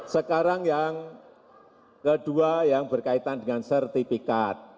sekarang yang kedua yang berkaitan dengan sertifikat